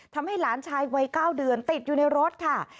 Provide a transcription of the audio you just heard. ทำให้หลานชายวัย๙เดือนติดอยู่ในรถค่ะ